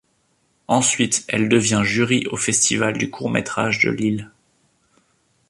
Ensuite, elle devient jury au festival du court métrage de Lille.